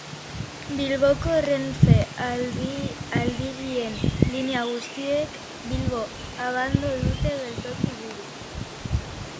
Bilboko Renfe Aldirien linea guztiek Bilbao-Abando dute geltoki-buru.